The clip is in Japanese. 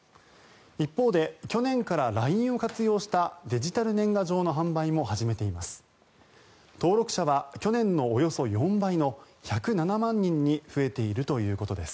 一方で、去年からＬＩＮＥを活用したデジタル年賀状の販売も始めています。